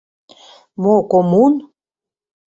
— Мо коммун?